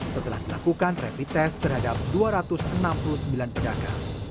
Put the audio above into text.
setelah dilakukan rapid test terhadap dua ratus enam puluh sembilan pedagang